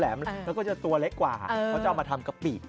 แล้วก็จะตัวเล็กกว่าเขาจะเอามาทำกะปิ